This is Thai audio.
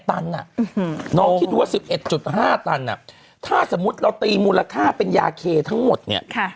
ตันน้องคิดดูว่า๑๑๕ตันถ้าสมมุติเราตีมูลค่าเป็นยาเคทั้งหมดเนี่ย